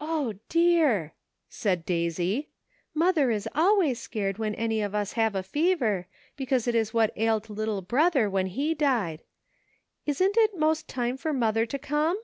"O, dear!" said Daisy, "mother is always scared when any of us have a fever, because that is what ailed little brother when he died. Isn't it most time for mother to come